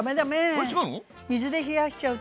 あれ違うの？